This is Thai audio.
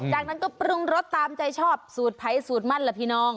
จากนั้นก็ปรุงรสตามใจชอบสูตรไผ่สูตรมั่นล่ะพี่น้อง